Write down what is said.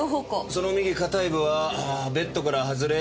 その右下腿部はベッドから外れ床へ向かう。